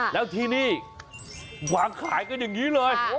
แล้วที่นี่วางขายกันอย่างนี้เลย